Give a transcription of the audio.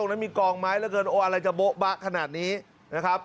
ไม่มีกองไม้ระเบิดโอ้อะไรจะโบ๊ะบะขนาดนี้นะครับ